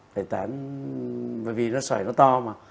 phải tán bởi vì nó sỏi nó to mà